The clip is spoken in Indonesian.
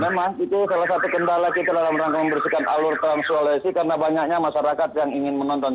memang itu salah satu kendala kita dalam rangka membersihkan alur trans sulawesi karena banyaknya masyarakat yang ingin menonton